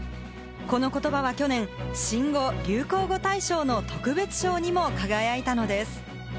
この言葉は去年、新語流行語大賞の特別賞にも輝いたのです。